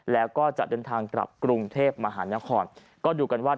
แล้วก็จะเดินทางกลับกรุงเทพมหานครก็ดูกันว่า